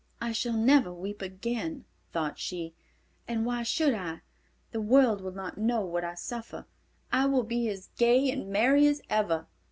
"I shall never weep again," thought she, "and why should I? The world will not know what I suffer. I will be as gay and merry as ever."